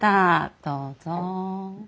どうぞ。